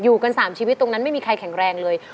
กัน๓ชีวิตตรงนั้นไม่มีใครแข็งแรงเลย